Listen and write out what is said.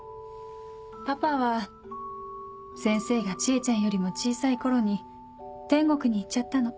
パパは先生が知恵ちゃんよりも小さい頃に天国に行っちゃったの。